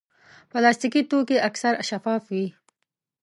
پلاستيکي توکي اکثر شفاف وي.